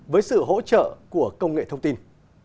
với sự hỗ trợ của công nghệ thông tin